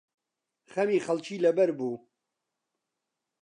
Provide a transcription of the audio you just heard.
خەمی خەڵکی لەبەر بوو